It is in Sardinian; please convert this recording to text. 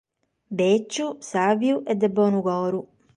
Betzu, sàbiu e de bonu coro.